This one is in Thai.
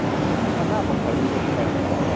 มันน่าสงสัยหรือเป็นสแปม